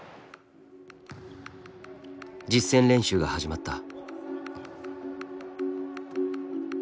実戦練習が始まった。